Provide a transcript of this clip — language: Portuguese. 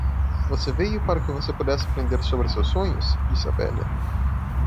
"Você veio para que você pudesse aprender sobre seus sonhos?" disse a velha.